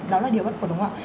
đó là điều bất khổ đúng không ạ